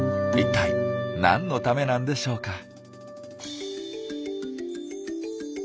一体何のためなんでしょうか。